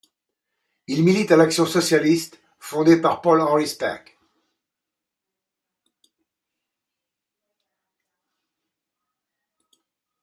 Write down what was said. Il milite à l'Action socialiste fondée par Paul-Henri Spaak.